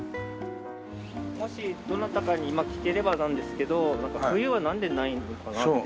もしどなたかに聞ければなんですけど「冬」はなんでないのかなって。